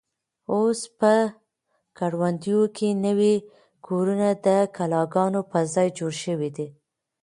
اوس په کروندو کې نوي کورونه د کلاګانو په ځای جوړ شوي دي.